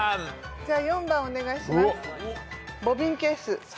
じゃあ４番お願いします。